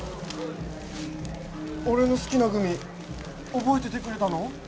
俺の好きなグミ覚えててくれたの？